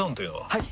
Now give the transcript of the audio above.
はい！